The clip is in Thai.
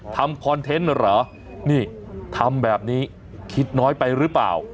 คอนเทนต์เหรอนี่ทำแบบนี้คิดน้อยไปหรือเปล่า